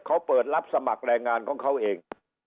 เขาเปิดรับสมัครแรงงานของเขาเอง